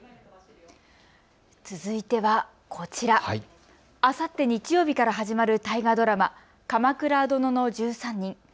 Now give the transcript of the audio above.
続いてはこちら、あさって日曜日から始まる大河ドラマ、鎌倉殿の１３人。